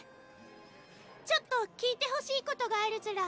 ちょっと聞いてほしいことがあるずら。